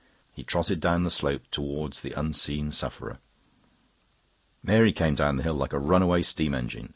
He trotted down the slope towards the unseen sufferer. Mary came down the hill like a runaway steam engine.